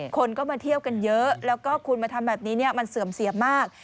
คนก็มาเที่ยวกันเยอะแล้วก็คุณมาทำแบบนี้มันเสื่อมเสียมาก